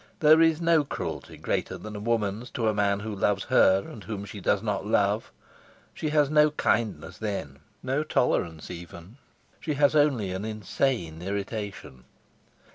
There is no cruelty greater than a woman's to a man who loves her and whom she does not love; she has no kindness then, no tolerance even, she has only an insane irritation.